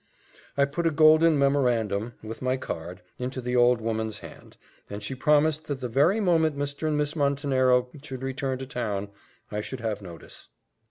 I put a golden memorandum, with my card, into the old woman's hand, and she promised that the very moment Mr. and Miss Montenero should return to town I should have notice.